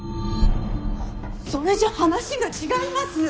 それじゃ話が違います！